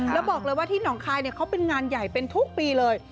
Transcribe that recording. แล้วบอกเลยว่าที่หนองคายเขาเป็นงานใหญ่เป็นทุกปีเลย